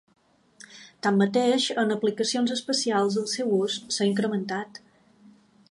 Tanmateix en aplicacions especials el seu ús s'ha incrementat.